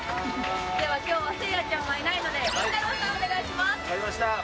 では今日はせいやちゃんはいないのでりんたろー。